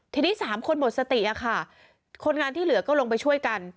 ทีนี้๓คนหมดสติอะค่ะคนงานที่เหลือก็ลงไปช่วยกัน